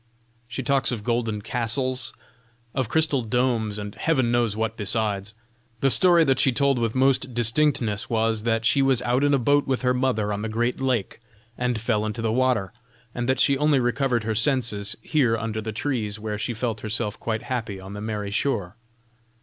She talks of golden castles, of crystal domes, and heaven knows what besides. The story that she told with most distinctness was, that she was out in a boat with her mother on the great lake, and fell into the water, and that she only recovered her senses here under the trees where she felt herself quite happy on the merry shore.